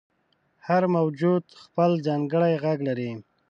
• هر موجود خپل ځانګړی ږغ لري.